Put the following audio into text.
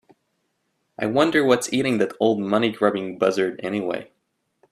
I wonder what's eating that old money grubbing buzzard anyway?